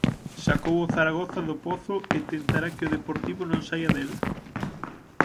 Sacou o Zaragoza do pozo e tentará que o Deportivo non saia del.